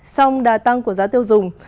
xong đà tăng của giá tiêu dùng